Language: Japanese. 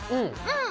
うん。